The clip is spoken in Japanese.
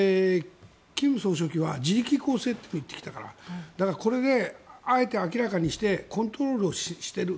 金総書記は自力更生とも言ってきたからこれで、あえて明らかにしてコントロールをしている。